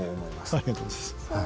ありがとうございます。